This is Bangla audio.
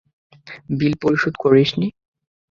বিল পরিশোধ করিসনি?